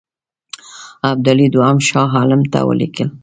ابدالي دوهم شاه عالم ته ولیکل.